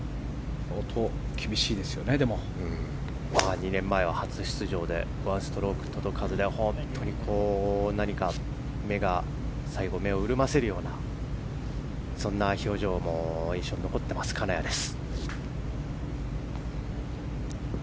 ２年前は初出場で１ストローク届かずで本当に何か目を潤ませるようなそんな表情も印象に残っている金谷です。